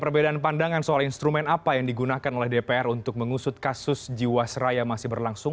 perbedaan pandangan soal instrumen apa yang digunakan oleh dpr untuk mengusut kasus jiwasraya masih berlangsung